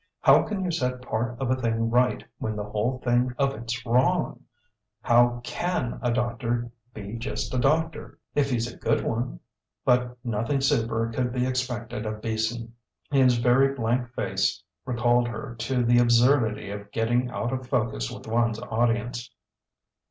How can you set part of a thing right when the whole of it's wrong? How can a doctor be just a doctor if he's a good one?" But nothing "super" could be expected of Beason. His very blank face recalled her to the absurdity of getting out of focus with one's audience.